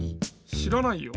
しらないよ。